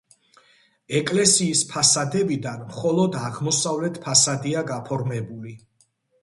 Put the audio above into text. ეკლესიის ფასადებიდან მხოლოდ აღმოსავლეთ ფასადია გაფორმებული.